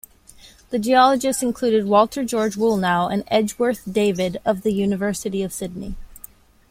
The geologists included Walter George Woolnough and Edgeworth David of the University of Sydney.